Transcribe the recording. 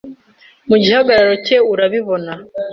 Mu gihagararo cye urabibona